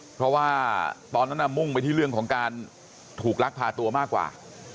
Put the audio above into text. เพราะว่าตอนนั้นมุ่งไปที่เรื่องของการถูกลักพาตัวมากกว่า